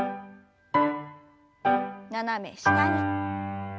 斜め下に。